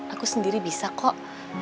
aku sendiri bisa kok